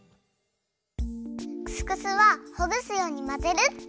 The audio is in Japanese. クスクスはほぐすようにまぜるっと。